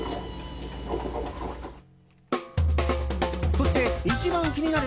そして、一番気になる